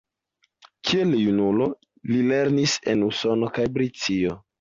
Kiel junulo, li lernis en Usono kaj Britio.